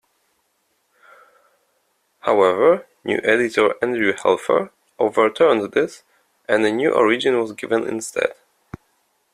However, new editor Andrew Helfer overturned this and a new origin was given instead.